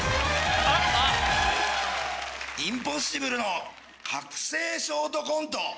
インポッシブルの覚醒ショートコント